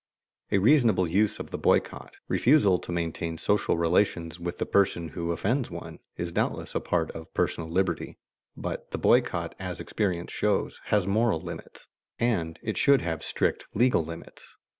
A reasonable use of the boycott, refusal to maintain social relations with the person who offends one, is doubtless a part of personal liberty; but the boycott, as experience shows, has moral limits, and it should have strict legal limits.